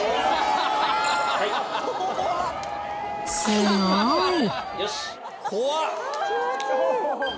すごい。